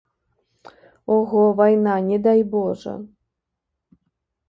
Ого, вайна, не дай божа!